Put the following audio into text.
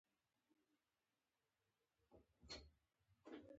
د اندونیزیا ګرمو ځنګلونو کې ژوند بېخي توپیر درلود.